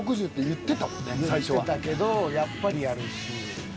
言ってたけどやっぱりやるし。